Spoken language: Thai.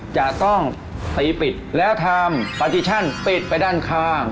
จะต้องปีปิดแล้วทำปิดไปด้านข้าง